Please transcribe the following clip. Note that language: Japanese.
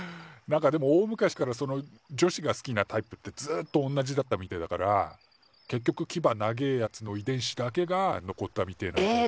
なんかでも大昔からその女子が好きなタイプってずっとおんなじだったみたいだから結局キバ長えやつの遺伝子だけが残ったみてえなんだよね。